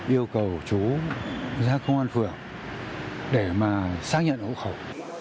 yêu cầu chú ra công an phường để mà xác nhận hộ khẩu